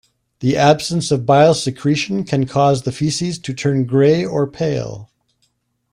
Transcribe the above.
The absence of bile secretion can cause the feces to turn gray or pale.